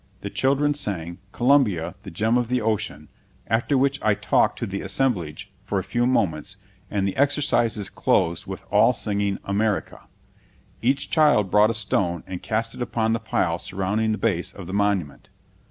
The children sang "Columbia, the Gem of the Ocean," after which I talked to the assemblage for a few moments, and the exercises closed with all singing "America." Each child brought a stone and cast it upon the pile surrounding the base of the monument.